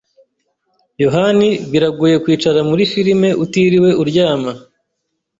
yohani biragoye kwicara muri firime utiriwe uryama.